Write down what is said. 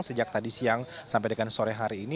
sejak tadi siang sampai dengan sore hari ini